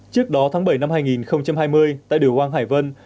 trước đó tháng bảy năm hai nghìn hai mươi tại điều hoang hải vân